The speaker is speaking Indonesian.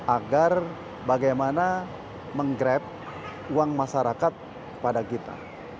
agar bagaimana menggrab uang masyarakat kepada kita